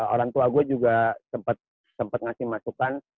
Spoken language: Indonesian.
orang tua gue juga sempat ngasih masukan